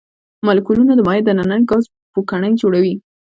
مالیکولونه د مایع د ننه ګاز پوکڼۍ جوړوي.